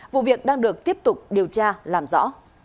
vụ việc đang được tiếp tục điều tra làm rõ